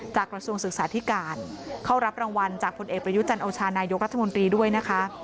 กระทรวงศึกษาธิการเข้ารับรางวัลจากผลเอกประยุจันโอชานายกรัฐมนตรีด้วยนะคะ